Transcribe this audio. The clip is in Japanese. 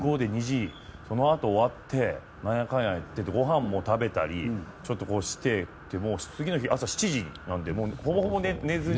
そのあと、終わって何やかんやあってごはんも食べたりしてちょっとしてって次の日朝７時なのでほぼほぼ寝ずに。